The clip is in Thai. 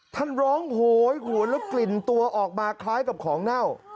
ท่านร้องโหยหวนแล้วกลิ่นตัวออกมาคล้ายกับของเน่า